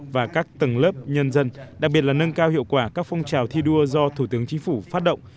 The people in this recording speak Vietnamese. và các tầng lớp nhân dân đặc biệt là nâng cao hiệu quả các phong trào thi đua do thủ tướng chính phủ phát động